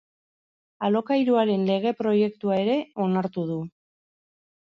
Alokairuaren lege-proiektua ere onartu du.